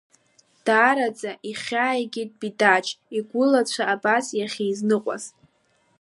Даараӡа ихьааигеит Бидаҿ игәылацәа абас иахьизныҟәаз.